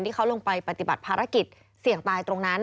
ที่เขาลงไปปฏิบัติภารกิจเสี่ยงตายตรงนั้น